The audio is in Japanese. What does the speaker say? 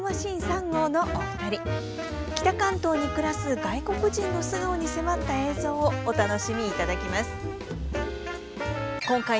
北関東に暮らす外国人の素顔に迫った映像をお楽しみいただきます。